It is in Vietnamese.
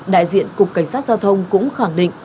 đại diện cục cảnh sát giao thông cũng khẳng định